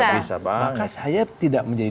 maka saya tidak menjadi